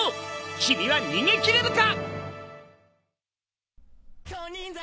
君は逃げ切れるか！？